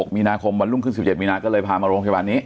มีนาคมวันรุ่งขึ้น๑๗มีนาก็เลยพามาโรงพยาบาลนี้